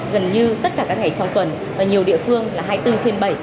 gần như tất cả các ngày trong tuần và nhiều địa phương là hai mươi bốn trên bảy